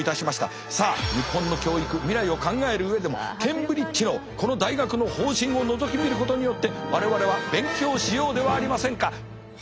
さあ日本の教育未来を考える上でもケンブリッジのこの大学の方針をのぞき見ることによって我々は勉強しようではありませんか。